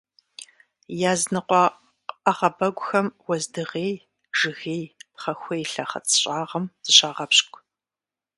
Языныкъуэ ӏэгъэбэгухэм уэздыгъей, жыгей, пхъэхуей лъэхъц щӀагъым зыщагъэпщкӏу.